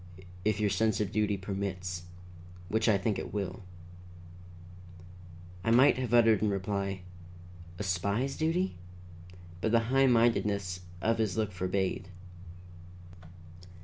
"If your sense of duty permits, which I think it will." I might have uttered in reply, "A spy's duty?" but the high mindedness of his look forbade.